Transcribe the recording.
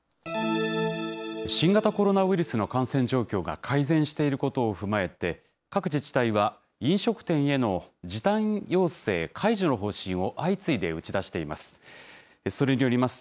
新型コロナウイルスの感染状況が改善していることを踏まえて、各自治体は飲食店への時短要請解除の方針を相次いで打ち出しています。